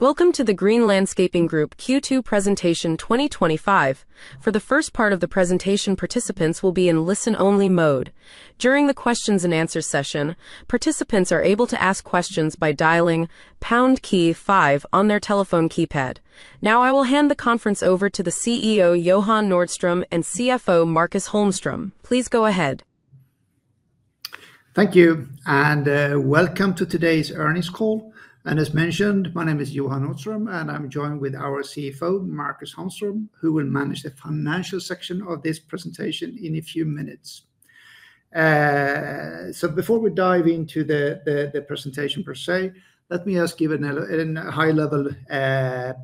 Welcome to the Green Landscaping Group AB Q2 presentation 2025. For the first part of the presentation, participants will be in listen-only mode. During the questions and answers session, participants are able to ask questions by dialing #KEY5 on their telephone keypad. Now, I will hand the conference over to the CEO, Johan Nordström, and CFO, Marcus Holmström. Please go ahead. Thank you, and welcome to today's earnings call. As mentioned, my name is Johan Nordström, and I'm joined with our CFO, Marcus Holmström, who will manage the financial section of this presentation in a few minutes. Before we dive into the presentation per se, let me just give a high-level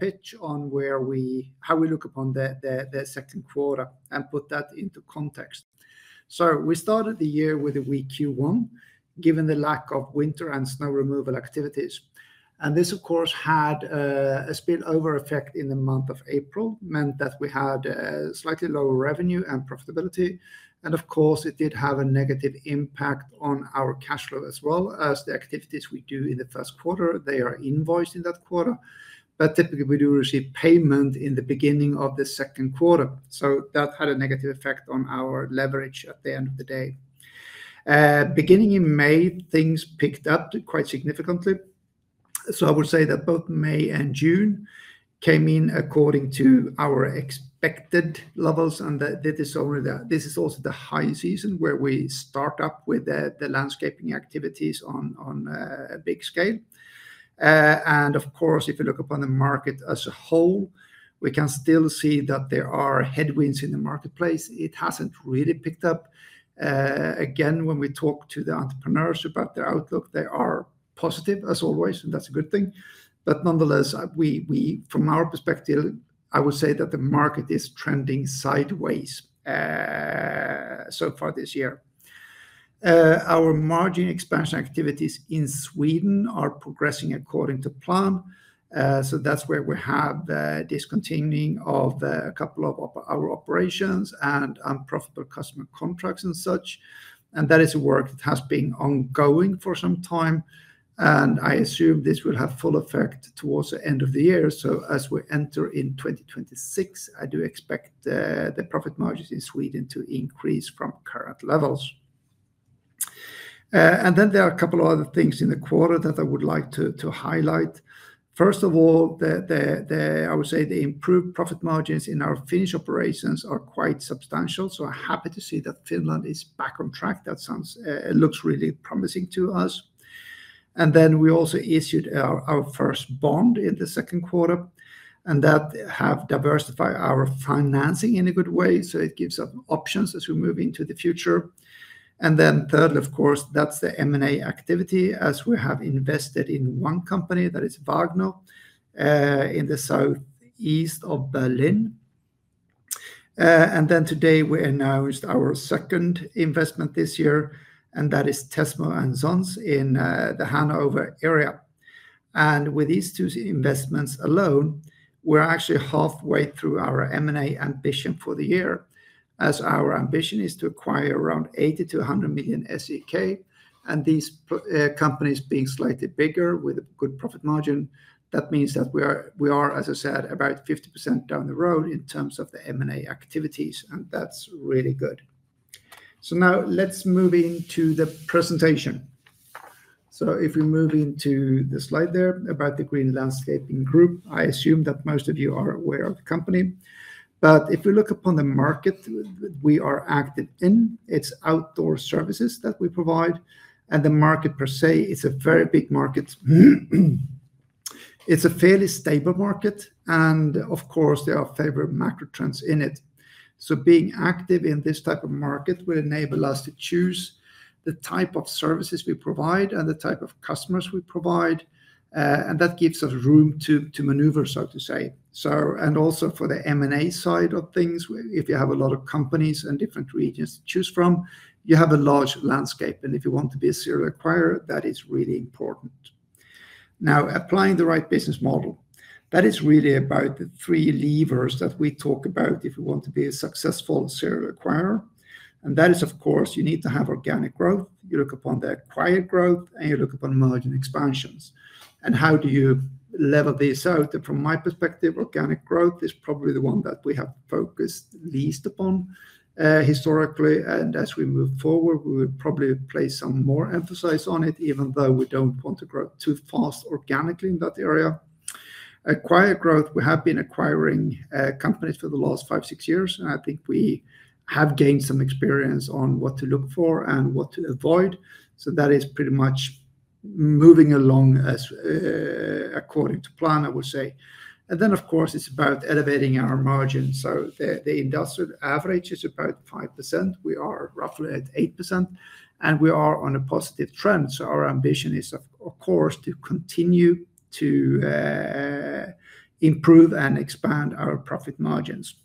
pitch on how we look upon the second quarter and put that into context. We started the year with a weak Q1, given the lack of winter and snow removal activities. This, of course, had a spillover effect in the month of April, which meant that we had slightly lower revenue and profitability. It did have a negative impact on our cash flow, as well as the activities we do in the first quarter. They are invoiced in that quarter, but typically, we do receive payment in the beginning of the second quarter. That had a negative effect on our leverage at the end of the day. Beginning in May, things picked up quite significantly. I would say that both May and June came in according to our expected levels, and this is also the high season where we start up with the landscaping activities on a big scale. If you look upon the market as a whole, we can still see that there are headwinds in the marketplace. It hasn't really picked up. When we talk to the entrepreneurs about their outlook, they are positive, as always, and that's a good thing. Nonetheless, from our perspective, I would say that the market is trending sideways so far this year. Our margin expansion activities in Sweden are progressing according to plan. That's where we have discontinuing of a couple of our operations and unprofitable customer contracts and such. That is a work that has been ongoing for some time, and I assume this will have full effect towards the end of the year. As we enter in 2026, I do expect the profit margins in Sweden to increase from current levels. There are a couple of other things in the quarter that I would like to highlight. First of all, I would say the improved profit margins in our Finnish operations are quite substantial. I'm happy to see that Finland is back on track. That looks really promising to us. We also issued our first bond in the second quarter, and that has diversified our financing in a good way. It gives us options as we move into the future. Thirdly, of course, that's the M&A activity, as we have invested in one company that is Wagner, in the southeast of Berlin. Today, we announced our second investment this year, and that is Tesmo and Sons in the Hanover area. With these two investments alone, we're actually halfway through our M&A ambition for the year, as our ambition is to acquire around 80-100 million SEK. These companies being slightly bigger with a good profit margin means that we are, as I said, about 50% down the road in terms of the M&A activities, and that's really good. Now let's move into the presentation. If we move into the slide there about Green Landscaping Group AB, I assume that most of you are aware of the company. If you look upon the market we are active in, it's outdoor services that we provide. The market per se is a very big market. It's a fairly stable market, and of course, there are favorable macro trends in it. Being active in this type of market will enable us to choose the type of services we provide and the type of customers we provide. That gives us room to maneuver, so to say. Also, for the M&A side of things, if you have a lot of companies in different regions to choose from, you have a large landscape. If you want to be a serial acquirer, that is really important. Applying the right business model is really about the three levers that we talk about if you want to be a successful serial acquirer. You need to have organic growth, you look upon the acquired growth, and you look upon margin expansions. How do you level this out? From my perspective, organic growth is probably the one that we have focused least upon historically. As we move forward, we will probably place some more emphasis on it, even though we don't want to grow too fast organically in that area. Acquired growth, we have been acquiring companies for the last five, six years, and I think we have gained some experience on what to look for and what to avoid. That is pretty much moving along according to plan, I would say. Then, of course, it's about elevating our margins. The industrial average is about 5%. We are roughly at 8%, and we are on a positive trend. Our ambition is, of course, to continue to improve and expand our profit margins.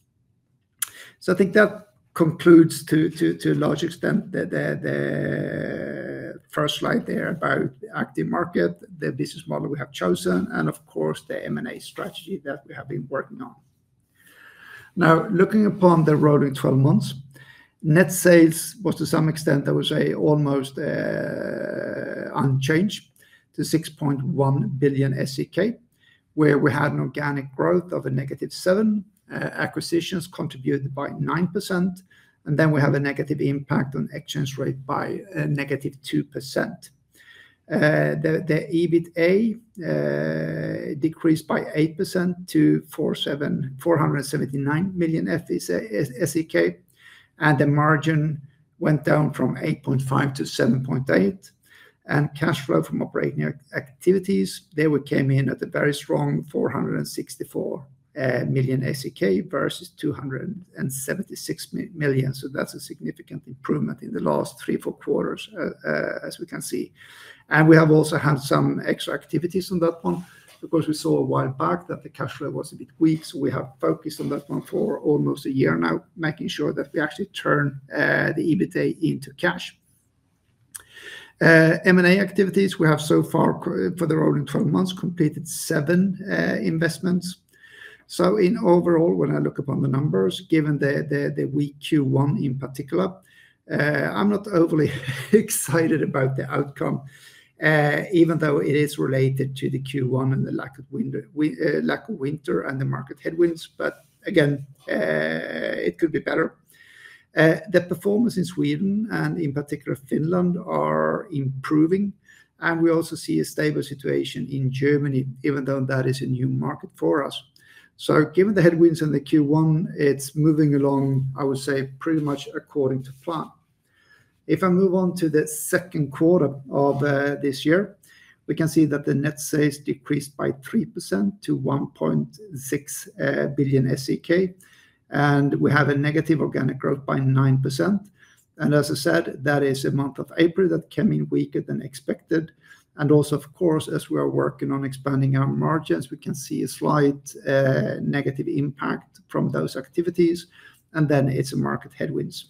I think that concludes to a large extent the first slide there about the active market, the business model we have chosen, and of course, the M&A strategy that we have been working on. Now, looking upon the rolling 12 months, net sales was to some extent, I would say, almost unchanged to 6.1 billion SEK, where we had an organic growth of -7%. Acquisitions contributed by 9%, and then we had a negative impact on the exchange rate by a -2%. The EBITDA decreased by 8% to 479 million SEK, and the margin went down from 8.5%-7.8%. Cash flow from operating activities, there we came in at a very strong 464 million SEK versus 276 million. That's a significant improvement in the last three or four quarters, as we can see. We have also had some extra activities on that one. Of course, we saw a while back that the cash flow was a bit weak. We have focused on that one for almost a year now, making sure that we actually turn the EBITDA into cash. M&A activities, we have so far for the rolling 12 months completed seven investments. Overall, when I look upon the numbers, given the weak Q1 in particular, I'm not overly excited about the outcome, even though it is related to the Q1 and the lack of winter and the market headwinds. It could be better. The performance in Sweden, and in particular Finland, is improving. We also see a stable situation in Germany, even though that is a new market for us. Given the headwinds in the Q1, it's moving along, I would say, pretty much according to plan. If I move on to the second quarter of this year, we can see that the net sales decreased by 3% to 1.6 billion SEK, and we have a negative organic growth by 9%. As I said, that is a month of April that came in weaker than expected. Also, as we are working on expanding our margins, we can see a slight negative impact from those activities. Then it's market headwinds.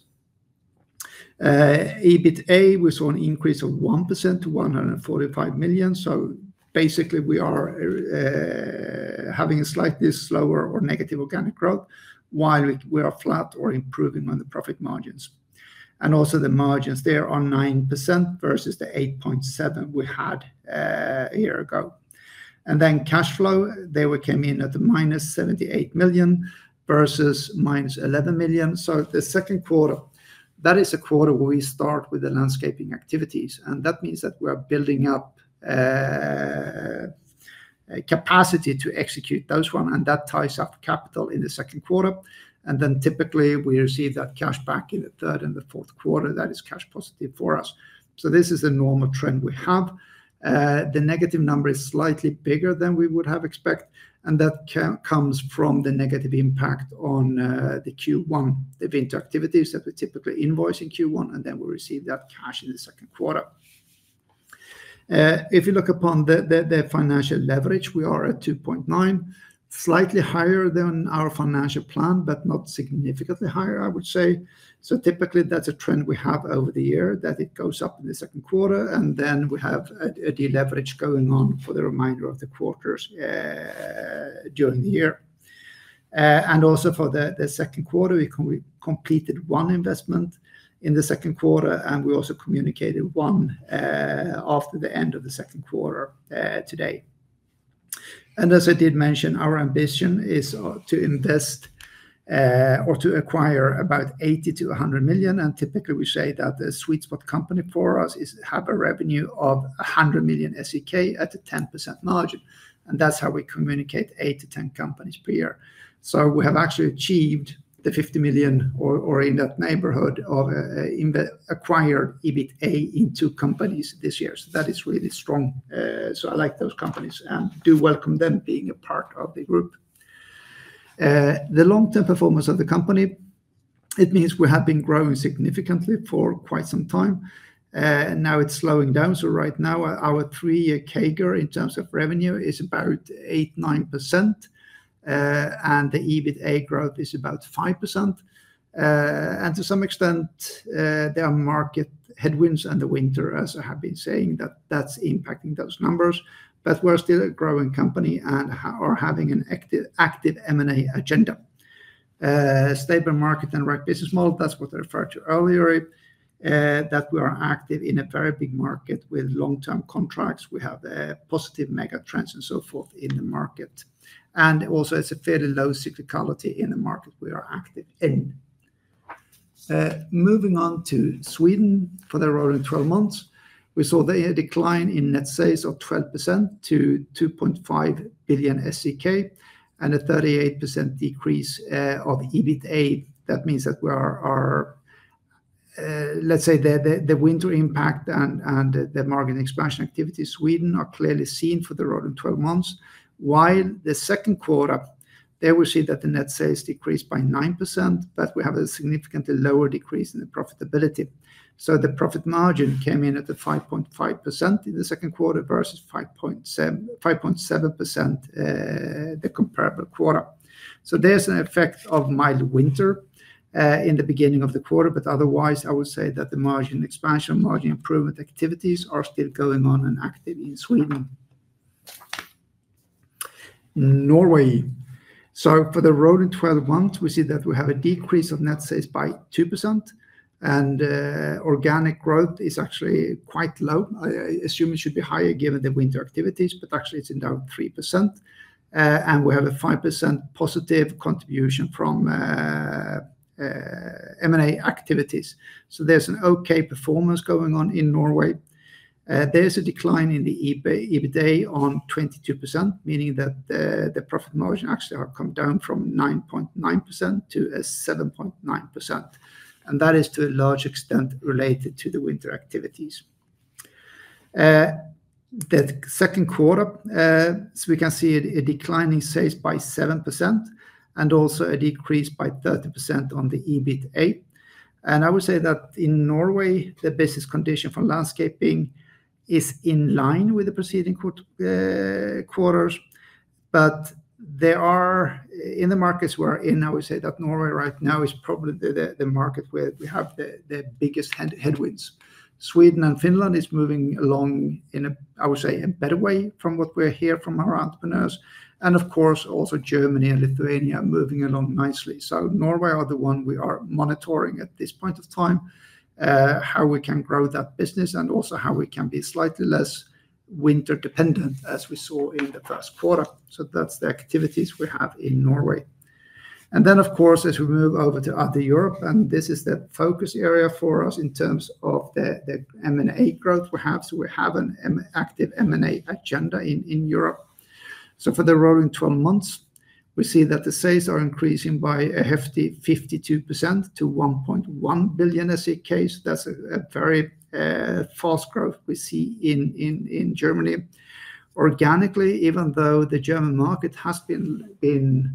EBITDA, we saw an increase of 1% to 145 million. Basically, we are having a slightly slower or negative organic growth, while we are flat or improving on the profit margins. The margins there are 9% versus the 8.7% we had a year ago. Cash flow, they came in at minus 78 million versus minus 11 million. The second quarter, that is a quarter where we start with the landscaping activities, and that means that we are building up capacity to execute those ones. That ties up capital in the second quarter. Typically, we receive that cash back in the third and the fourth quarter. That is cash positive for us. This is a normal trend we have. The negative number is slightly bigger than we would have expected, and that comes from the negative impact on the Q1, the winter activities that we typically invoice in Q1, and then we receive that cash in the second quarter. If you look upon the financial leverage, we are at 2.9x. Slightly higher than our financial plan, but not significantly higher, I would say. Typically, that's a trend we have over the year that it goes up in the second quarter, and then we have a deleverage going on for the remainder of the quarters during the year. Also, for the second quarter, we completed one investment in the second quarter, and we also communicated one after the end of the second quarter today. As I did mention, our ambition is to invest or to acquire about 80 million-100 million. Typically, we say that the sweet spot company for us is to have a revenue of 100 million SEK at a 10% margin. That's how we communicate 8 to 10 companies per year. We have actually achieved the 50 million or in that neighborhood of acquired EBITDA in two companies this year. That is really strong. I like those companies and do welcome them being a part of the group. The long-term performance of the company, it means we have been growing significantly for quite some time, and now it's slowing down. Right now, our three-year CAGR in terms of revenue is about 8%-9%, and the EBITDA growth is about 5%. To some extent, there are market headwinds in the winter, as I have been saying, that that's impacting those numbers. We're still a growing company and are having an active M&A agenda. Stable market and right business model, that's what I referred to earlier, that we are active in a very big market with long-term contracts. We have positive megatrends and so forth in the market. Also, it's a fairly low cyclicality in the market we are active in. Moving on to Sweden for the rolling 12 months, we saw a decline in net sales of 12% to 2.5 billion SEK and a 38% decrease of EBITDA. That means that we are, let's say, the winter impact and the margin expansion activities in Sweden are clearly seen for the rolling 12 months. While the second quarter, there we see that the net sales decreased by 9%, but we have a significantly lower decrease in the profitability. The profit margin came in at 5.5% in the second quarter versus 5.7% in the comparable quarter. There is an effect of mild winter in the beginning of the quarter, but otherwise, I would say that the margin expansion, margin improvement activities are still going on and active in Sweden and Norway. For the rolling 12 months, we see that we have a decrease of net sales by 2%, and organic growth is actually quite low. I assume it should be higher given the winter activities, but actually, it's down 3%. We have a 5% positive contribution from M&A activities. There is an okay performance going on in Norway. There is a decline in the EBITDA of 22%, meaning that the profit margin actually has come down from 9.9% to -7.9%. That is to a large extent related to the winter activities. In the second quarter, we can see declining sales by 7% and also a decrease by 30% on the EBITDA. I would say that in Norway, the business condition for landscaping is in line with the preceding quarters. In the markets we are in, I would say that Norway right now is probably the market where we have the biggest headwinds. Sweden and Finland are moving along in a, I would say, a better way from what we hear from our entrepreneurs. Of course, also Germany and Lithuania are moving along nicely. Norway is the one we are monitoring at this point of time, how we can grow that business and also how we can be slightly less winter-dependent as we saw in the first quarter. That is the activities we have in Norway. As we move over to other Europe, this is the focus area for us in terms of the M&A growth we have. We have an active M&A agenda in Europe. For the rolling 12 months, we see that the sales are increasing by a hefty 52% to 1.1 billion SEK. That is a very fast growth we see in Germany. Organically, even though the German market has been in,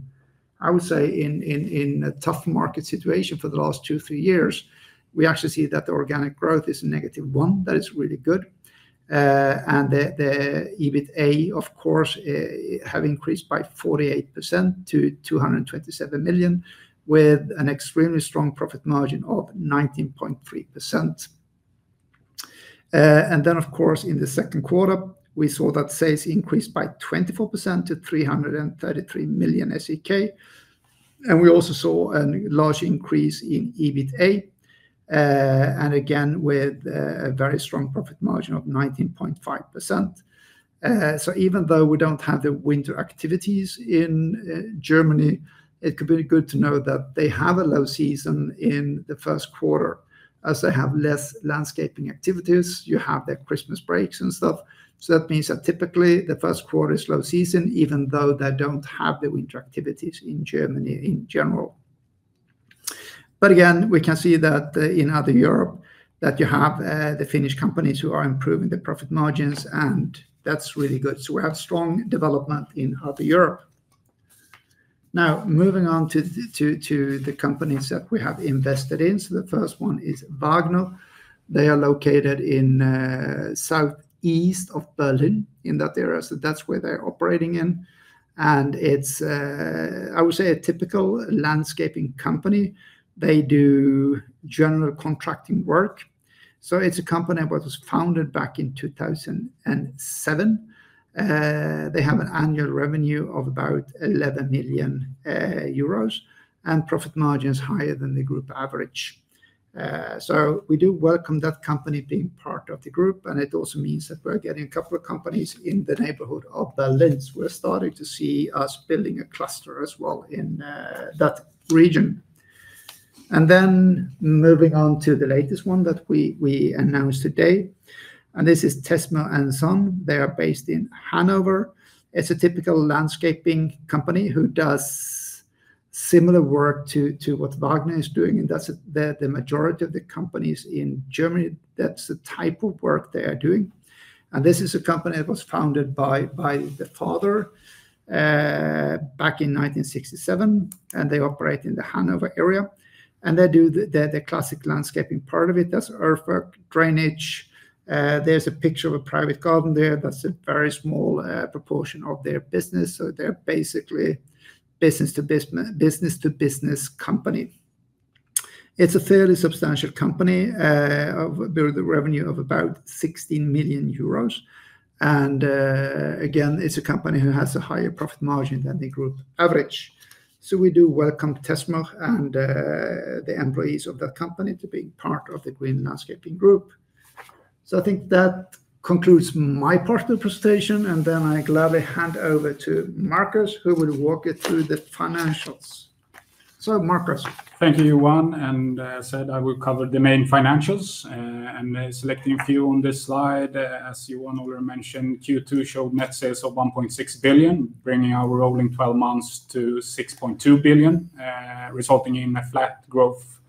I would say, a tough market situation for the last two or three years, we actually see that the organic growth is a negative one. That is really good. The EBITDA, of course, has increased by 48% to 227 million with an extremely strong profit margin of 19.3%. In the second quarter, we saw that sales increased by 24% to 333 million SEK. We also saw a large increase in EBITDA, and again, with a very strong profit margin of 19.5%. Even though we don't have the winter activities in Germany, it could be good to know that they have a low season in the first quarter as they have less landscaping activities. You have their Christmas breaks and stuff. That means that typically the first quarter is low season, even though they don't have the winter activities in Germany in general. Again, we can see that in other Europe that you have the Finnish companies who are improving their profit margins, and that's really good. We have strong development in other Europe. Now, moving on to the companies that we have invested in. The first one is Wagner. They are located in the southeast of Berlin in that area. That's where they're operating in. I would say it's a typical landscaping company. They do general contracting work. It's a company that was founded back in 2007. They have an annual revenue of about €11 million, and profit margin is higher than the group average. We do welcome that company being part of the group, and it also means that we're getting a couple of companies in the neighborhood of Berlin. We're starting to see us building a cluster as well in that region. Moving on to the latest one that we announced today, this is Tesmo and Sons. They are based in Hanover. It's a typical landscaping company who does similar work to what Wagner is doing, and that's the majority of the companies in Germany. That's the type of work they are doing. This is a company that was founded by the father back in 1967, and they operate in the Hanover area. They do the classic landscaping part of it. That's earthwork, drainage. There's a picture of a private garden there. That's a very small proportion of their business. They're basically a business-to-business company. It's a fairly substantial company with a revenue of about €16 million. Again, it's a company who has a higher profit margin than the group average. We do welcome Tesmo and the employees of that company to be part of the Green Landscaping Group. I think that concludes my part of the presentation, and then I'd love to hand over to Marcus, who will walk you through the financials. Thank you, Johan. As I said, I will cover the main financials and selecting a few on this slide. As Johan already mentioned, Q2 showed net sales of 1.6 billion, bringing our rolling 12 months to 6.2 billion, resulting in a flat growth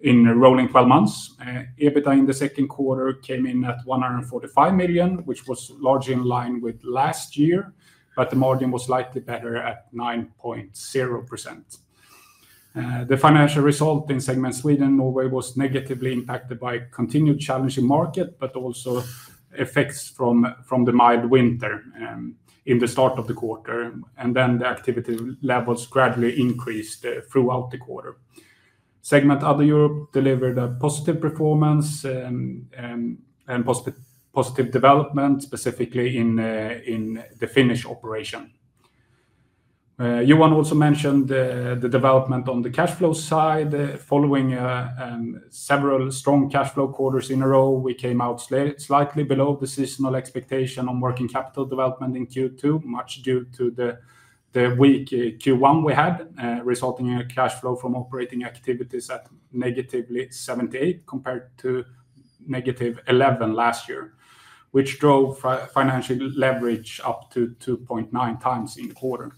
in the rolling 12 months. EBITDA in the second quarter came in at 145 million, which was largely in line with last year, but the margin was slightly better at 9.0%. The financial result in segment Sweden and Norway was negatively impacted by continued challenge in the market, but also effects from the mild winter in the start of the quarter. The activity levels gradually increased throughout the quarter. Segment Other Europe delivered a positive performance and positive development, specifically in the Finnish operation. Johan also mentioned the development on the cash flow side. Following several strong cash flow quarters in a row, we came out slightly below the seasonal expectation on working capital development in Q2, much due to the weak Q1 we had, resulting in a cash flow from operating activities at negative 78 million compared to negative 11 million last year, which drove financial leverage up to 2.9x in the quarter.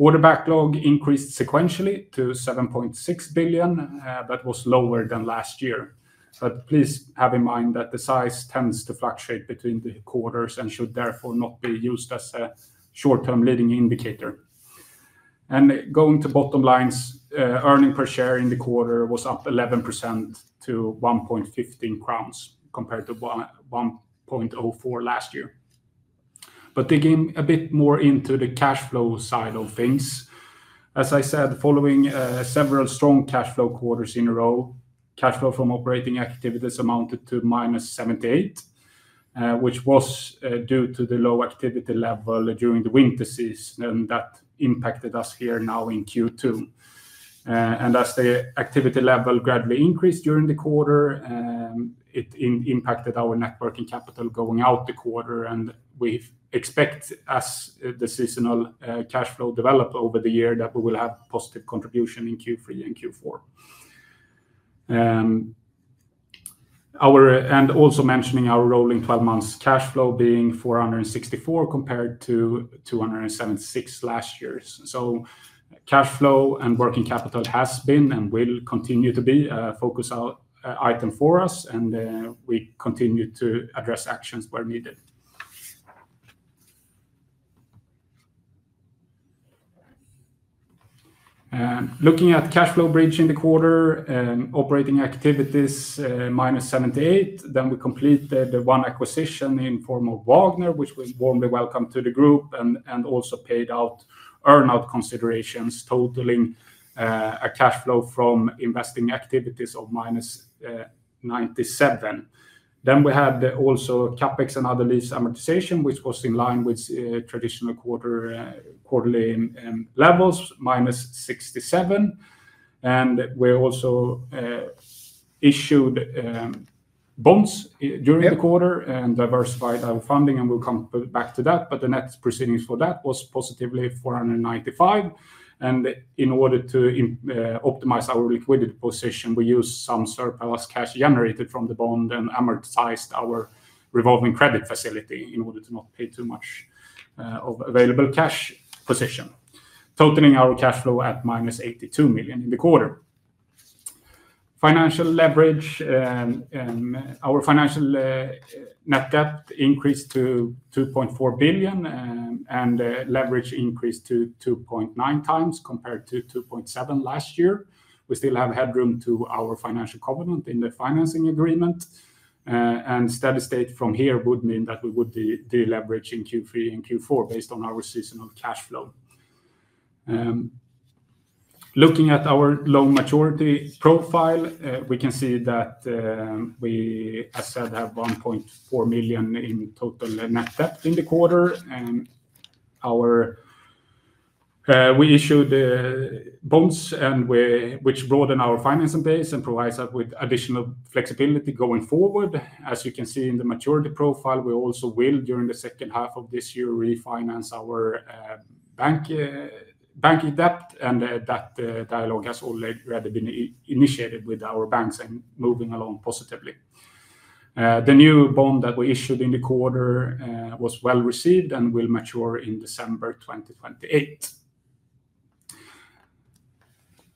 Order backlog increased sequentially to 7.6 billion, but was lower than last year. Please have in mind that the size tends to fluctuate between the quarters and should therefore not be used as a short-term leading indicator. Going to bottom lines, earnings per share in the quarter was up 11% to 1.15 crowns compared to 1.04 last year. Digging a bit more into the cash flow side of things, as I said, following several strong cash flow quarters in a row, cash flow from operating activities amounted to negative 78 million, which was due to the low activity level during the winter season, and that impacted us here now in Q2. As the activity level gradually increased during the quarter, it impacted our net working capital going out the quarter. We expect, as the seasonal cash flow develops over the year, that we will have a positive contribution in Q3 and Q4. Also mentioning our rolling 12 months cash flow being 464 million compared to 276 million last year. Cash flow and working capital has been and will continue to be a focus item for us, and we continue to address actions where needed. Looking at cash flow bridge in the quarter, operating activities negative 78 million. We completed one acquisition in the form of Wagner, which was warmly welcomed to the group and also paid out earnout considerations, totaling a cash flow from investing activities of negative 97 million. We had also CapEx and other lease amortization, which was in line with traditional quarterly levels, negative 67 million. We also issued bonds during the quarter and diversified our funding, and we'll come back to that. The net proceeds for that was positive 495 million. In order to optimize our liquidity position, we used some surplus cash generated from the bond and amortized our revolving credit facility in order to not pay too much of available cash position, totaling our cash flow at minus 82 million in the quarter. Financial leverage and our financial net debt increased to 2.4 billion, and the leverage increased to 2.9 times compared to 2.7 last year. We still have headroom to our financial covenant in the financing agreement. Steady state from here would mean that we would be deleveraging Q3 and Q4 based on our seasonal cash flow. Looking at our loan maturity profile, we can see that we, as I said, have 1.4 billion in total net debt in the quarter. We issued bonds, which broaden our financing base and provide us with additional flexibility going forward. As you can see in the maturity profile, we also will, during the second half of this year, refinance our banking debt. That dialogue has already been initiated with our banks and is moving along positively. The new bond that we issued in the quarter was well received and will mature in December 2028.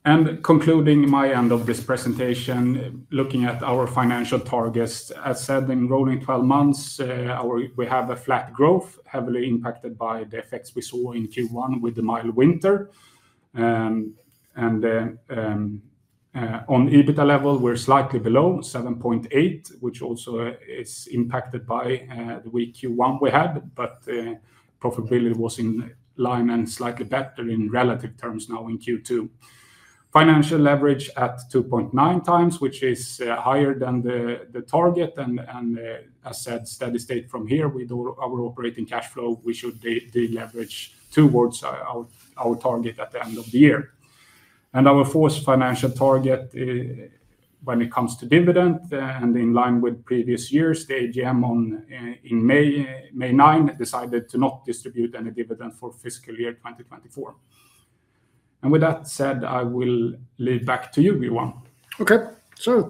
Concluding my end of this presentation, looking at our financial targets, as I said, in rolling 12 months, we have a flat growth, heavily impacted by the effects we saw in Q1 with the mild winter. On EBITDA level, we're slightly below 7.8 million, which also is impacted by the weak Q1 we had, but profitability was in line and slightly better in relative terms now in Q2. Financial leverage at 2.9 times, which is higher than the target. As I said, steady state from here, with our operating cash flow, we should deleverage towards our target at the end of the year. Our fourth financial target when it comes to dividend, and in line with previous years, the AGM on May 9 decided to not distribute any dividend for fiscal year 2024. With that said, I will leave it back to you, Johan.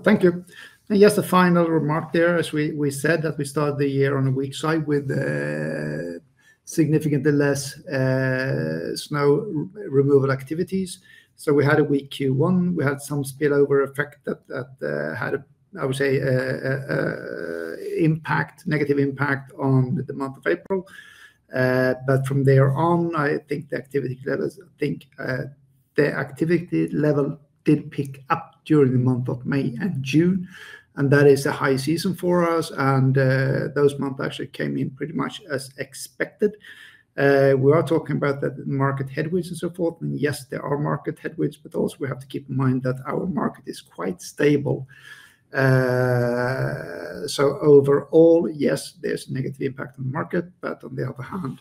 Thank you. Just a final remark there, as we said that we started the year on a weak side with significantly less snow removal activities. We had a weak Q1. We had some spillover effect that had, I would say, a negative impact on the month of April. From there on, I think the activity level did pick up during the month of May and June. That is a high season for us. Those months actually came in pretty much as expected. We are talking about the market headwinds and so forth. Yes, there are market headwinds, but also we have to keep in mind that our market is quite stable. Overall, yes, there's a negative impact on the market, but on the other hand,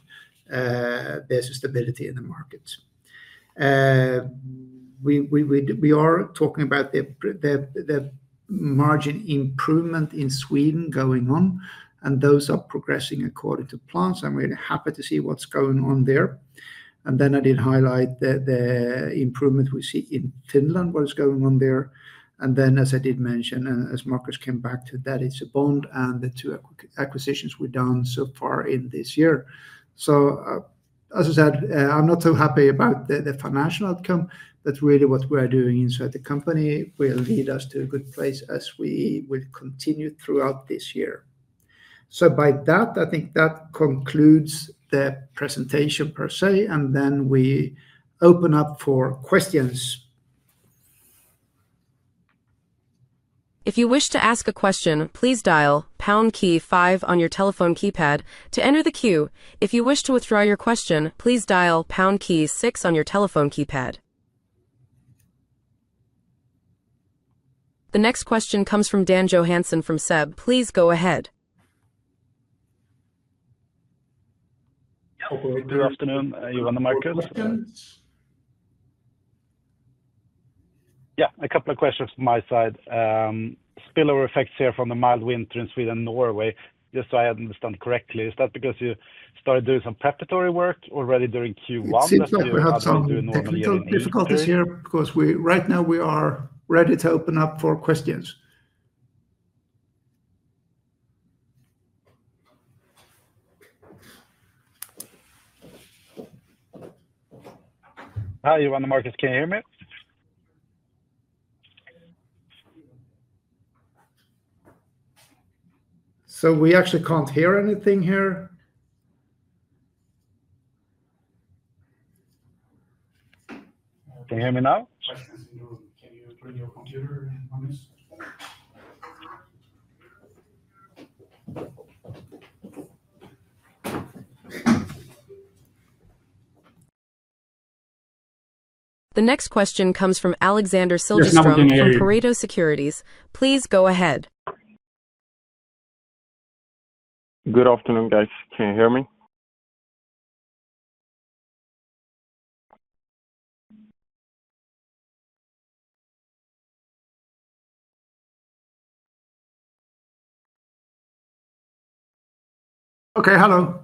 there's a stability in the market. We are talking about the margin improvement in Sweden going on, and those are progressing according to plan. I'm really happy to see what's going on there. I did highlight the improvement we see in Finland, what is going on there. As I did mention, and as Marcus came back to that, it's a bond and the two acquisitions we've done so far in this year. As I said, I'm not so happy about the financial outcome, but really what we're doing inside the company will lead us to a good place as we will continue throughout this year. By that, I think that concludes the presentation per se, and then we open up for questions. If you wish to ask a question, please dial #KEY5 on your telephone keypad to enter the queue. If you wish to withdraw your question, please dial #KEY6 on your telephone keypad. The next question comes from Dan Johansen from SEB. Please go ahead. Hope we're through afternoon. Johan and Marcus, yeah, a couple of questions from my side. Spillover effects here from the mild winter in Sweden and Norway, just so I understand correctly. Is that because you started doing some preparatory work already during Q1? That's difficult to hear because right now we are ready to open up for questions. Hi, Johan and Marcus, can you hear me? We actually can't hear anything here. Can you hear me now? The next question comes from Alexander Silvestrov from Pareto Securities. Please go ahead. Good afternoon, guys. Can you hear me? Okay, hello.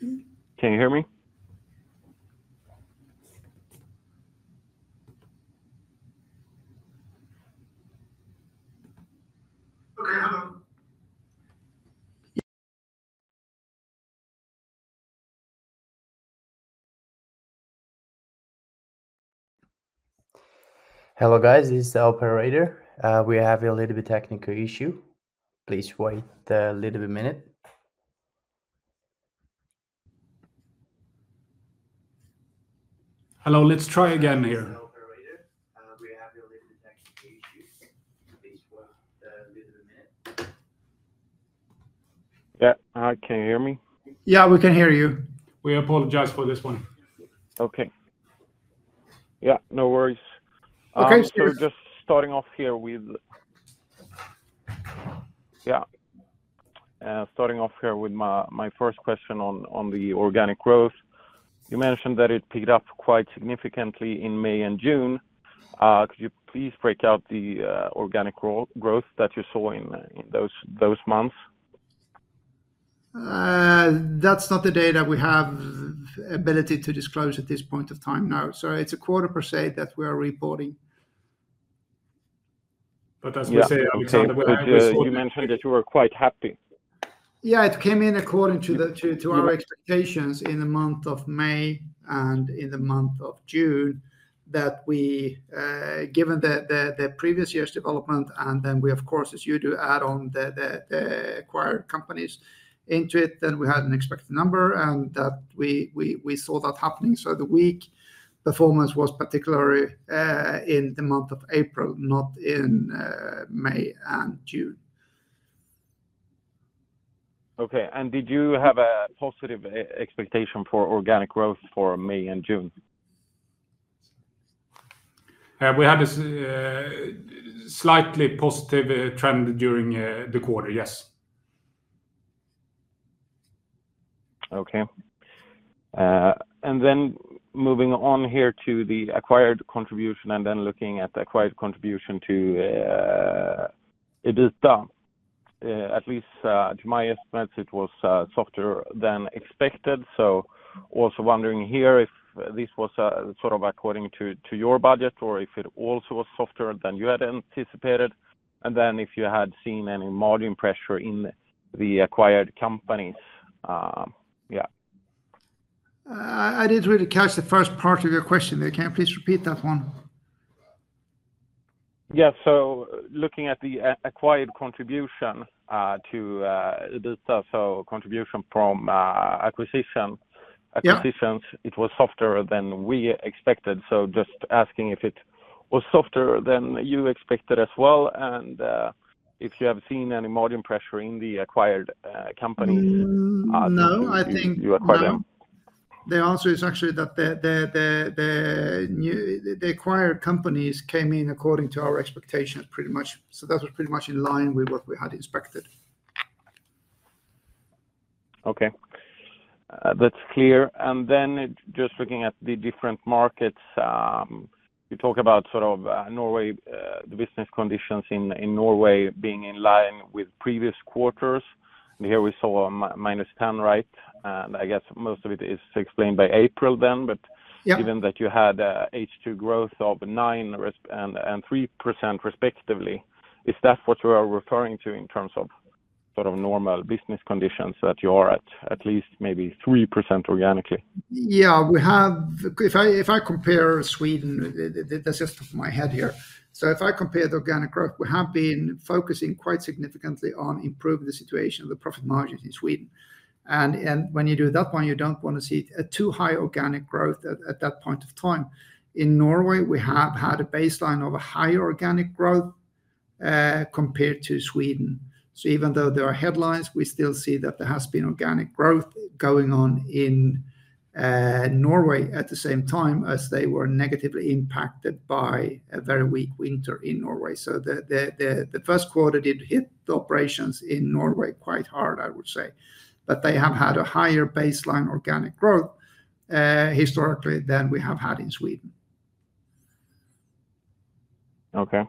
Can you hear me? Hello, guys. This is the operator. We have a little bit of a technical issue. Please wait a little bit. Hello, let's try again here. Can you hear me? Yeah, we can hear you. We apologize for this one. Okay, yeah, no worries. Starting off here with my first question on the organic growth. You mentioned that it picked up quite significantly in May and June. Could you please break out the organic growth that you saw in those months? That's not the data we have the ability to disclose at this point of time. No, sorry, it's a quarter per se that we are reporting. As you mentioned that you were quite happy. Yeah, it came in according to our expectations in the month of May and in the month of June that we, given the previous year's development, and then we, of course, as you do, add on the acquired companies into it, then we had an expected number and that we saw that happening. The weak performance was particularly in the month of April, not in May and June. Okay, did you have a positive expectation for organic growth for May and June? We had a slightly positive trend during the quarter, yes. Okay, moving on here to the acquired contribution and then looking at the acquired contribution to EBITDA. At least, to my estimates, it was softer than expected. I am also wondering here if this was sort of according to your budget or if it also was softer than you had anticipated. If you had seen any margin pressure in the acquired companies. Yeah. I didn't really catch the first part of your question there. Can you please repeat that one? Yeah, looking at the acquired contribution to EBITDA, so contribution from acquisitions, it was softer than we expected. Just asking if it was softer than you expected as well, and if you have seen any margin pressure in the acquired companies that you acquired. The answer is actually that the acquired companies came in according to our expectations pretty much. That was pretty much in line with what we had expected. Okay, that's clear. Just looking at the different markets, you talk about sort of the business conditions in Norway being in line with previous quarters. Here we saw a -10%, right? I guess most of it is explained by April then. Given that you had H2 growth of 9% and 3% respectively, is that what you are referring to in terms of sort of normal business conditions, that you are at at least maybe 3% organically? We have, if I compare Sweden, that's just off my head here. If I compare the organic growth, we have been focusing quite significantly on improving the situation of the profit margin in Sweden. When you do that one, you don't want to see a too high organic growth at that point of time. In Norway, we have had a baseline of a higher organic growth compared to Sweden. Even though there are headlines, we still see that there has been organic growth going on in Norway at the same time as they were negatively impacted by a very weak winter in Norway. The first quarter did hit the operations in Norway quite hard, I would say, but they have had a higher baseline organic growth historically than we have had in Sweden. Okay,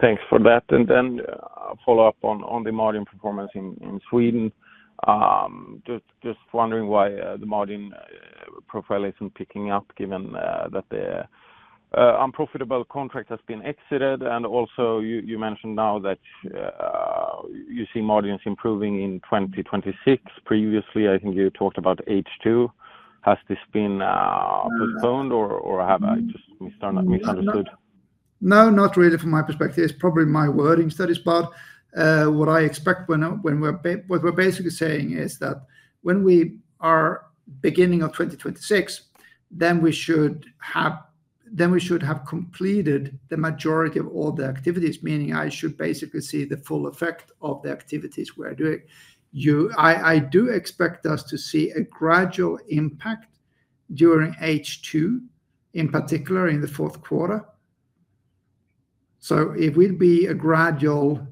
thanks for that. A follow-up on the margin performance in Sweden. Just wondering why the margin profile isn't picking up given that the unprofitable contract has been exited. You mentioned now that you see margins improving in 2026. Previously, I think you talked about H2. Has this been postponed or have I just misunderstood? No, not really from my perspective. It's probably my wording studies. What I expect, what we're basically saying is that when we are at the beginning of 2026, then we should have completed the majority of all the activities, meaning I should basically see the full effect of the activities we are doing. I do expect us to see a gradual impact during H2, in particular in the fourth quarter. It will be a gradual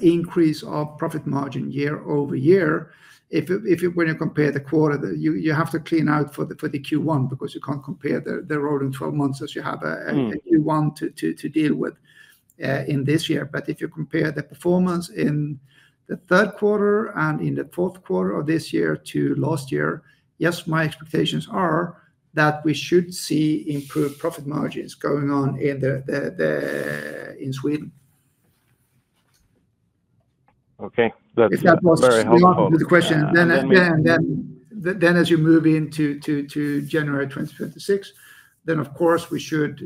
increase of profit margin year over year. If you compare the quarter, you have to clean out for the Q1 because you can't compare the rolling 12 months as you have a Q1 to deal with in this year. If you compare the performance in the third quarter and in the fourth quarter of this year to last year, yes, my expectations are that we should see improved profit margins going on in Sweden. Okay, that's very helpful. If that was the question, then as you move into January 2026, of course we should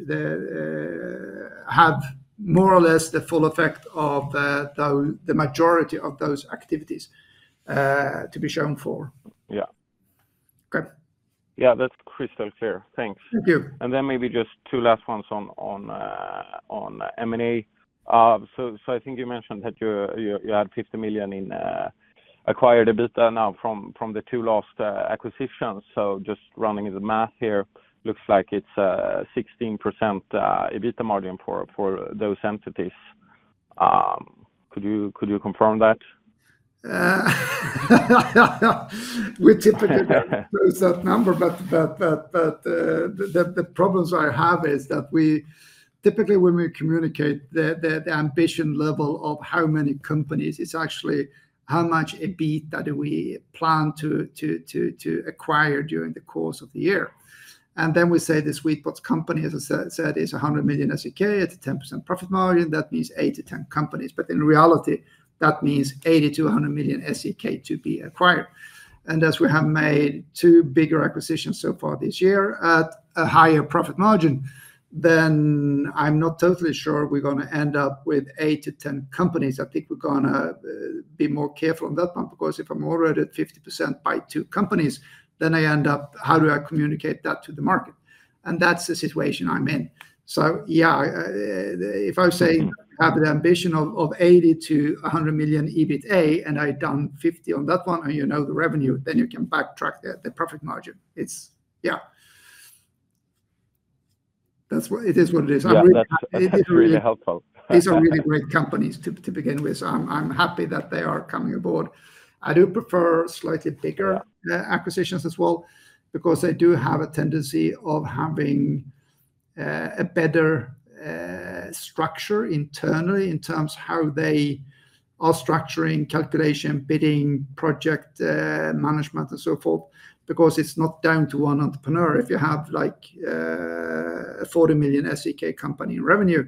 have more or less the full effect of the majority of those activities to be shown for. Yeah, okay. Yeah, that's crystal clear. Thanks. Thank you. Maybe just two last ones on M&A. I think you mentioned that you had 50 million in acquired EBITDA now from the two last acquisitions. Just running the math here, it looks like it's a 16% EBITDA margin for those entities. Could you confirm that? We typically close that number, but the problems I have is that we typically, when we communicate the ambition level of how many companies, it's actually how much EBITDA do we plan to acquire during the course of the year. We say the sweet spot company, as I said, is 100 million SEK at a 10% profit margin. That means 8-10 companies. In reality, that means 80-100 million SEK to be acquired. As we have made two bigger acquisitions so far this year at a higher profit margin, I'm not totally sure we're going to end up with 8-10 companies. I think we're going to be more careful on that one because if I'm already at 50% by two companies, then I end up, how do I communicate that to the market? That's the situation I'm in. If I say I have the ambition of 80-100 million EBITDA and I've done 50 million on that one and you know the revenue, then you can backtrack the profit margin. Yeah, it is what it is. That's really helpful. These are really great companies to begin with. I'm happy that they are coming aboard. I do prefer slightly bigger acquisitions as well because they do have a tendency of having a better structure internally in terms of how they are structuring calculation, bidding, project management, and so forth. It is not down to one entrepreneur. If you have like a 40 million SEK company in revenue,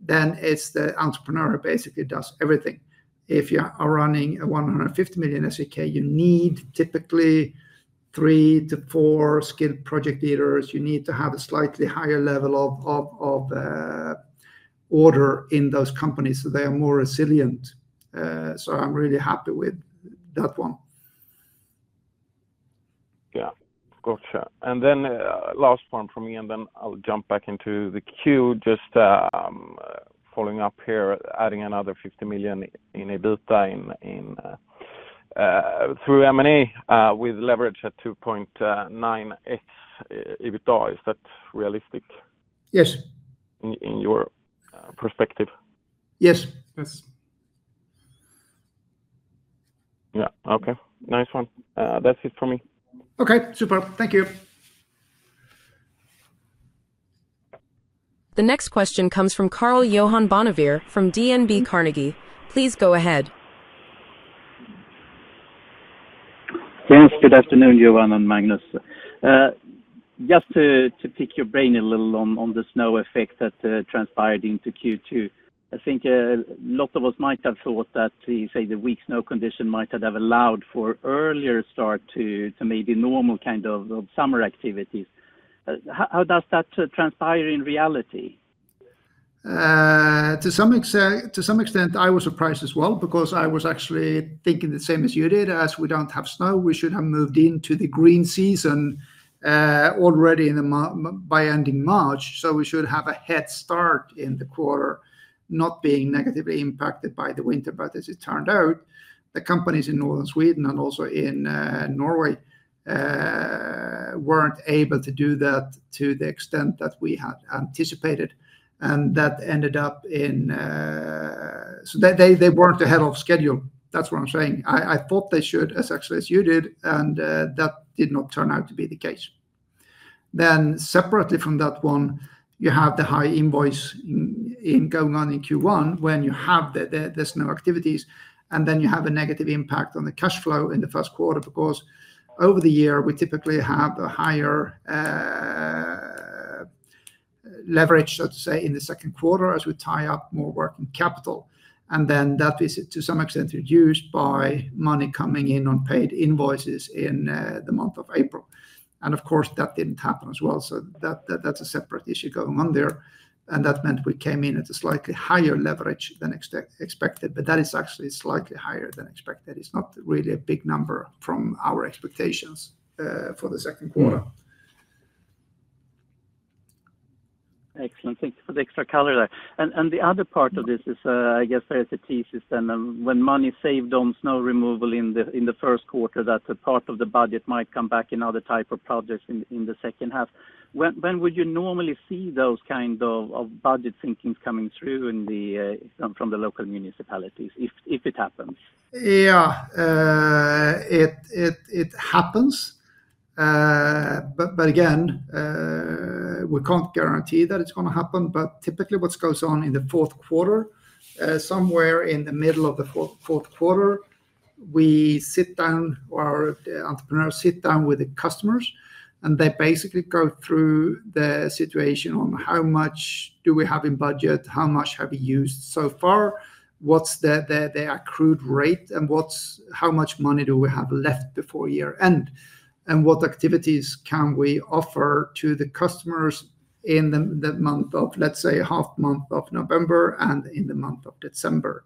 then it's the entrepreneur who basically does everything. If you are running a 150 million, you need typically three to four skilled project leaders. You need to have a slightly higher level of order in those companies, so they are more resilient. I'm really happy with that one. Gotcha. Last one from me, then I'll jump back into the queue. Just following up here, adding another 50 million in EBITDA through M&A with leverage at 2.98x EBITDA. Is that realistic? Yes. In your perspective? Yes. Yeah, okay. Nice one. That's it for me. Okay, super. Thank you. The next question comes from Carl-Johan Bonnevere from DNB Markets. Please go ahead. Yes, good afternoon, Johan and Magnus. Just to pick your brain a little on the snow effect that transpired into Q2. I think a lot of us might have thought that, say, the weak snow condition might have allowed for an earlier start to maybe normal kind of summer activities. How does that transpire in reality? To some extent, I was surprised as well because I was actually thinking the same as you did. As we don't have snow, we should have moved into the green season already by ending March. We should have a head start in the quarter, not being negatively impacted by the winter. As it turned out, the companies in northern Sweden and also in Norway weren't able to do that to the extent that we had anticipated. That ended up in, so they weren't ahead of schedule. That's what I'm saying. I thought they should, actually as you did, and that did not turn out to be the case. Separately from that, you have the high invoice going on in Q1 when you have the snow activities, and then you have a negative impact on the cash flow in the first quarter because over the year, we typically have a higher leverage, let's say, in the second quarter as we tie up more working capital. That is to some extent reduced by money coming in on paid invoices in the month of April. Of course, that didn't happen as well. That's a separate issue going on there. That meant we came in at a slightly higher leverage than expected. That is actually slightly higher than expected. It's not really a big number from our expectations for the second quarter. Excellent. Thanks for the extra color there. The other part of this is, I guess, there is a thesis then when money is saved on snow removal in the first quarter, that part of the budget might come back in other types of projects in the second half. When would you normally see those kinds of budget thinkings coming through from the local municipalities, if it happens? It happens. Again, we can't guarantee that it's going to happen. Typically, what goes on in the fourth quarter, somewhere in the middle of the fourth quarter, we sit down, our entrepreneurs sit down with the customers, and they basically go through the situation on how much do we have in budget, how much have we used so far, what's the accrued rate, and how much money do we have left before year end, and what activities can we offer to the customers in the month of, let's say, half month of November and in the month of December.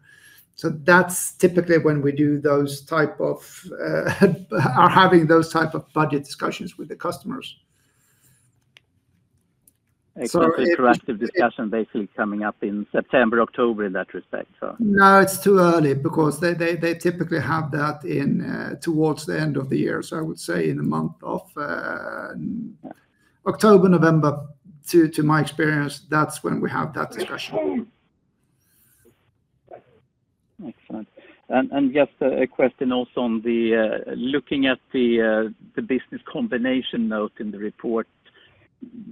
That's typically when we do those types of, are having those types of budget discussions with the customers. Excellent. A proactive discussion basically coming up in September, October in that respect. No, it's too early because they typically have that towards the end of the year. I would say in the month of October or November, to my experience, that's when we have that discussion. Excellent. Just a question also on the business combination note in the report.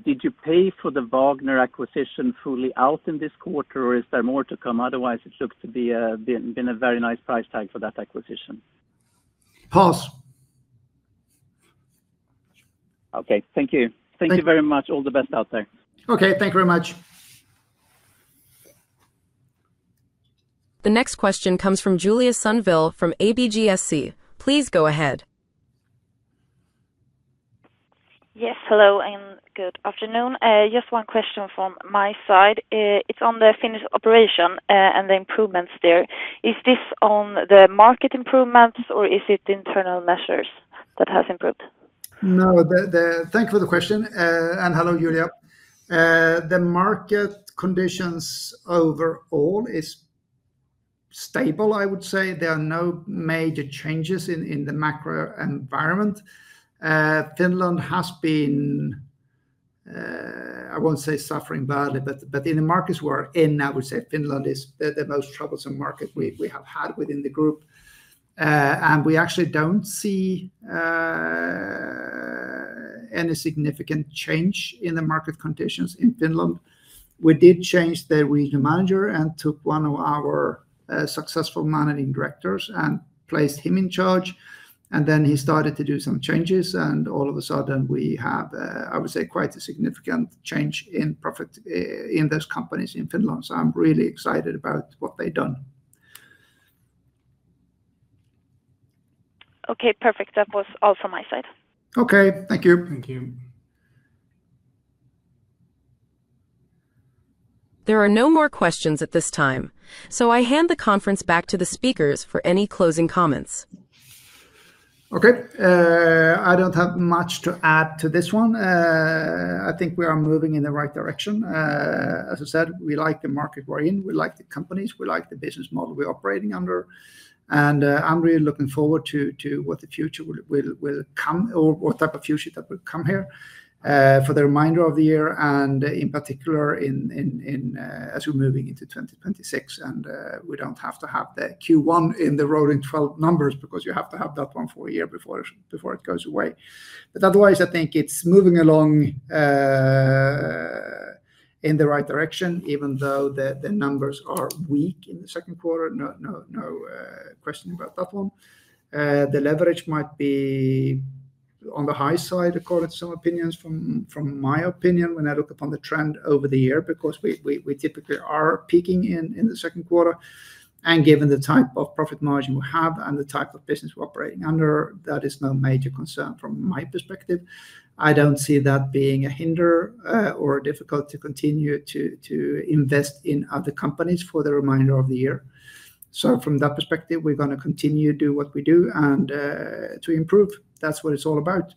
Did you pay for the Wagner acquisition fully out in this quarter, or is there more to come? Otherwise, it looks to be a very nice price tag for that acquisition. Pass. Okay, thank you. Thank you very much. All the best out there. Okay, thank you very much. The next question comes from Julia Sunville from ABG Sundal Collier. Please go ahead. Yes, hello, and good afternoon. Just one question from my side. It's on the Finnish operation and the improvements there. Is this on the market improvements, or is it internal measures that have improved? No, thank you for the question. Hello, Julia. The market conditions overall are stable, I would say. There are no major changes in the macro environment. Finland has been, I won't say suffering badly, but in the markets we're in, I would say Finland is the most troublesome market we have had within the group. We actually don't see any significant change in the market conditions in Finland. We did change the Regional Manager and took one of our successful Managing Directors and placed him in charge. He started to do some changes, and all of a sudden we have, I would say, quite a significant change in profit in those companies in Finland. I'm really excited about what they've done. Okay, perfect. That was all from my side. Okay, thank you. Thank you. There are no more questions at this time. I hand the conference back to the speakers for any closing comments. Okay, I don't have much to add to this one. I think we are moving in the right direction. As I said, we like the market we're in. We like the companies. We like the business model we're operating under. I'm really looking forward to what the future will come or what type of future that will come here for the remainder of the year, in particular as we're moving into 2026. We don't have to have the Q1 in the rolling 12 numbers because you have to have that one for a year before it goes away. Otherwise, I think it's moving along in the right direction, even though the numbers are weak in the second quarter. No question about that one. The leverage might be on the high side, according to some opinions, from my opinion when I look upon the trend over the year, because we typically are peaking in the second quarter. Given the type of profit margin we have and the type of business we're operating under, that is no major concern from my perspective. I don't see that being a hinder or difficult to continue to invest in other companies for the remainder of the year. From that perspective, we're going to continue to do what we do and to improve. That's what it's all about.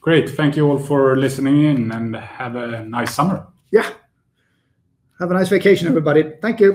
Great. Thank you all for listening in and have a nice summer. Yeah, have a nice vacation, everybody. Thank you.